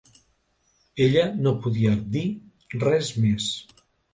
Ella no podia dir res més.